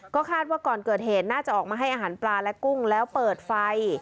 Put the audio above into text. ก็คาดว่าก่อนเกิดเหตุน่าจะออกมาให้อาหารปลาและกุ้งแล้วเปิดไฟ